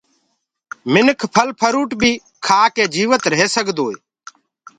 انسآن ڦل ڦروٽ بي کآڪي جيوت ريه سگدوئي